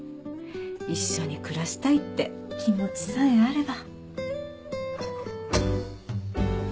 一緒に暮らしたいって気持ちさえあれば。